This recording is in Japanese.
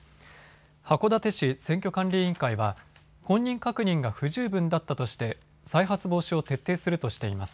函館市選挙管理委員会は本人確認が不十分だったとして再発防止を徹底するとしています。